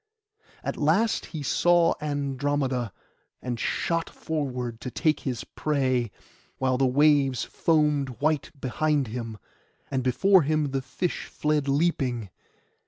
At last he saw Andromeda, and shot forward to take his prey, while the waves foamed white behind him, and before him the fish fled leaping.